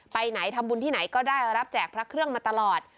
ไปไหนทำบุญที่ไหนก็ได้รับแจกพระเครื่องมาตลอด